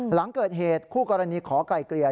หลังเกิดเหตุคู่กรณีขอไกลเกลี่ย